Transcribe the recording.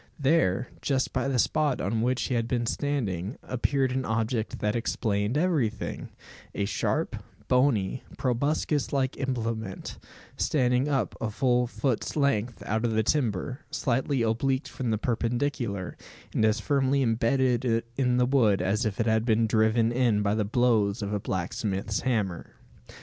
There, just by the spot on which he had been standing, appeared an object that explained everything: a sharp, bony, proboscis like implement, standing up a full foot's length out of the timber, slightly obliqued from the perpendicular, and as firmly imbedded in the wood as if it had been driven in by the blows of a blacksmith's hammer!